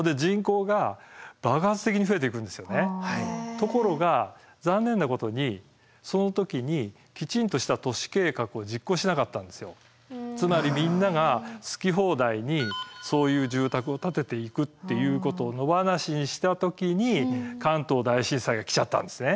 ところが残念なことにその時にきちんとしたつまりみんなが好き放題にそういう住宅を建てていくっていうことを野放しにした時に関東大震災が来ちゃったんですね。